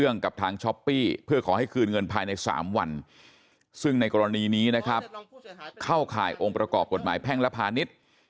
ในองค์ประกอบกฎหมายแพ่งและพาณิชย์